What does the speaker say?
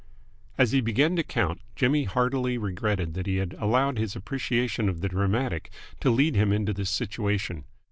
As he began to count, Jimmy heartily regretted that he had allowed his appreciation of the dramatic to lead him into this situation.